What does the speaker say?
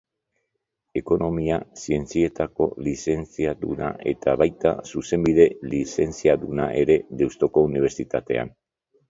Ekonomia Zientzietako Lizentziaduna eta baita Zuzenbide Lizentziaduna ere Deustuko Unibertsitatean.